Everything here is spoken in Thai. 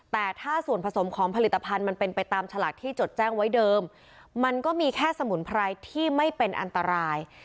แต่ถ้าส่วนผสมของผลิตภัณฑ์มันเป็นไปตามฉลากที่จดแจ้งไว้เดิมมันก็มีแค่สมุนไพรที่ไม่เป็นอันตราย